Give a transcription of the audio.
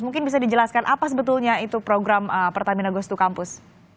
mungkin bisa dijelaskan apa sebetulnya itu program pertamina goes to kampus